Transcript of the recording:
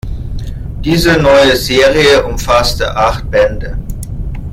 Diese neue Serie umfasste acht Bände.